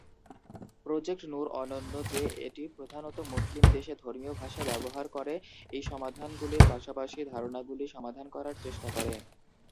Project Noor অনন্য যে এটি প্রধানত মুসলিম দেশে ধর্মীয় ভাষা ব্যবহার করে এই সমস্যাগুলির আশেপাশের ধারণাগুলি সমাধান করার চেষ্টা করে।